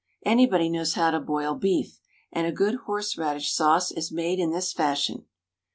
Anybody knows how to boil beef. And a good horse radish sauce is made in this fashion.